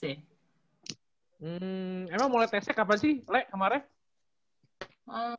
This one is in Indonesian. emang mulai tc kapan sih le kemarin